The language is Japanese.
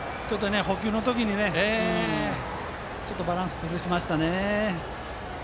捕球の時にバランス崩しましたね。